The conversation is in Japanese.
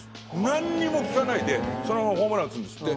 なんにも聞かないでそのままホームラン打つんですって。